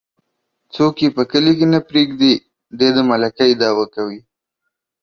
څوک يې په کلي کې نه پرېږدي ،دى د ملکۍ دعوه کوي.